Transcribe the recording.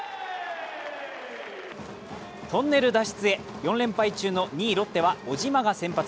トンネル脱出へ、４連敗中の２位・ロッテは小島が先発。